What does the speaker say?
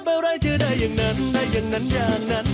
อะไรจะได้อย่างนั้นได้อย่างนั้นอย่างนั้น